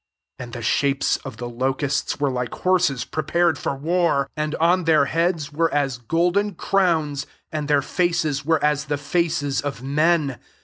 r And the shapes of the locusts were like horses prepared for irar ; ai^d on their heads vtere 18 golden crowns, and their [jEUses were as the fkces of men.